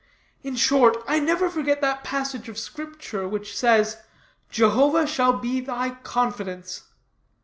In short, I never forget that passage of Scripture which says, 'Jehovah shall be thy confidence.'